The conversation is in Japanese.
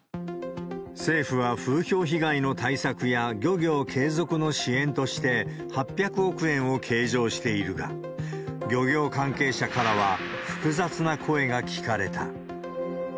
政府は風評被害の対策や漁業継続の支援として８００億円を計上しているが、漁業関係者からは複雑な声が聞かれた。